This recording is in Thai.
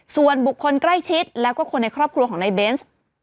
ส่วนบุคคลใกล้ชิดแล้วก็คนในครอบครัวของนายเบนส์